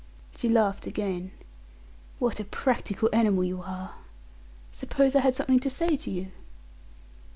She laughed again. "What a practical animal you are! Suppose I had something to say to you?"